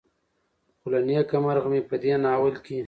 خو له نيکه مرغه مې په دې ناول کې